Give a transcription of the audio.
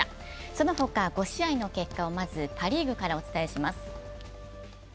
その他、５試合の結果をまずパ・リーグからお伝えします。